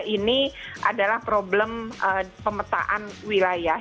ini adalah problem pemetaan wilayah